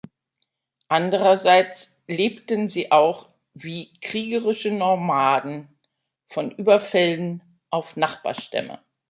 Andererseits lebten sie auch wie kriegerische Nomaden von Überfällen auf Nachbarstämme.